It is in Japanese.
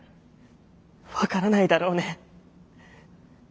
分からないだろうね。